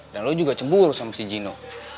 dan lu juga cemburu sama si jino